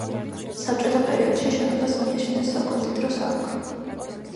საბჭოთა პერიოდში შენობას მიაშენეს საკონდიტრო საამქრო.